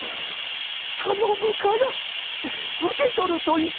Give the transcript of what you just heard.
頼むから受け取ると言ってくれ」。